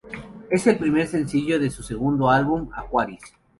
Es el primer sencillo de su segundo álbum, Aquarius.